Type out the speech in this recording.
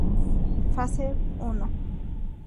Fase I".